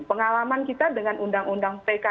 pengalaman kita dengan undang undang pk